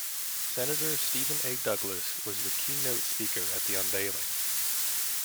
Senator Stephen A. Douglas was the keynote speaker at the unveiling.